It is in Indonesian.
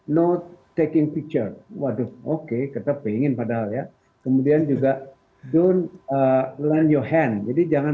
not taking picture waduh oke ketat pengen padahal ya kemudian juga don't lend your hand jadi jangan